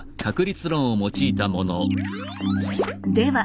では